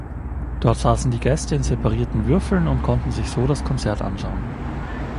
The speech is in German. Dort saßen die Gäste in separierten Würfeln und konnten sich so das Konzert anschauen.